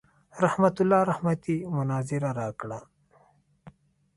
رحمت الله رحمتي مناظره راکړه.